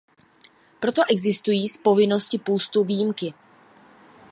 Proto existují z povinnosti půstu výjimky.